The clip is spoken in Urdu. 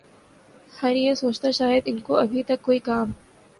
ھر یہ سوچتا شاید ان کو ابھی تک کوئی کام